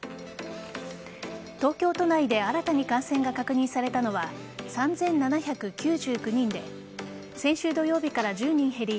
東京都内で新たに感染が確認されたのは３７９９人で先週土曜日から１０人減り